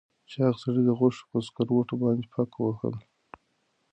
چاغ سړي د غوښو په سکروټو باندې پکه وهله.